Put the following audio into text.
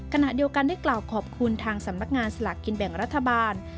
ขณะเดียวกันได้กล่าวขอบคุณทางสำนักงานสลากกินแบ่งรัฐบาล